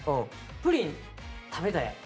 プリン食べたやん。